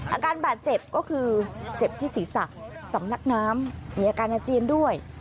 อาการบาดเจ็บก็คือเจ็บที่ศีรษะสำนักน้ำมีอาการอาเจียนด้วย